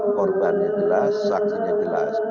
korbannya jelas saksinya jelas